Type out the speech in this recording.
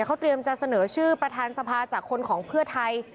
เขาเตรียมจะเสนอชื่อประธานสภาจากคนของเพื่อไทย